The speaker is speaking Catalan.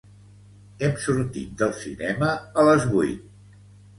Hem sortit del cinema a les vuit.